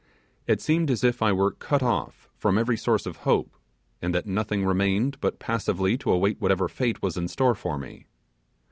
It seemed as if I were cut off from every source of hope, and that nothing remained but passively to await whatever fate was in store for me.